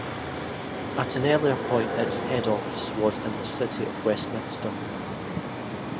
At an earlier point its head office was in the City of Westminster.